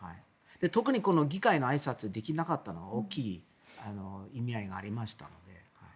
特にこの議会のあいさつができなかったのは大きい意味合いがありましたので。